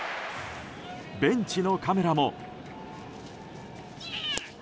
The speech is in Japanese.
ベンチのカメラも。